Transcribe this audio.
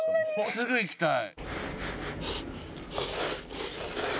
すぐ行きたい。